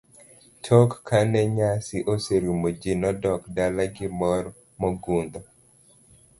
Tok kane nyasi oserumo ji nodok dala gi mor mogundho.